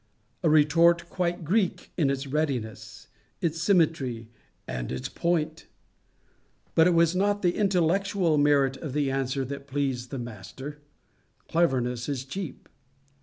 A retort quite Greek in its readiness, its symmetry, and its point! But it was not the intellectual merit of the answer that pleased the Master. Cleverness is cheap.